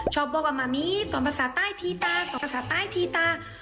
ชอบว่ามามีส่วนภาษาใต้ทีตาสอนภาษาใต้ทีตา